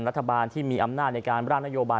รัฐบาลที่มีอำนาจในการร่างนโยบาย